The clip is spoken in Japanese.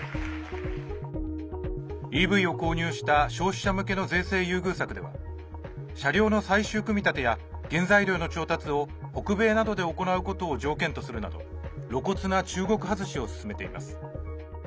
ＥＶを購入した消費者向けの税制優遇策では車両の最終組み立てや原材料の調達を北米でなどで行うことを条件とするなど露骨な中国外しを進めています。